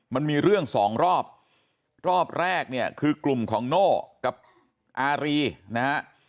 มันมีเรื่องสองรอบรอบแรกเนี่ยคือกลุ่มของโน่กับอารีนะฮะ